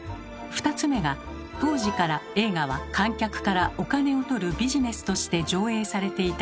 ２つ目が当時から映画は観客からお金を取るビジネスとして上映されていた点。